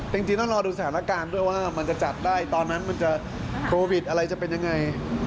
จริงต้องรอดูสถานการณ์ด้วยว่ามันจะจัดได้ตอนนั้นมันจะโควิดอะไรจะเป็นยังไง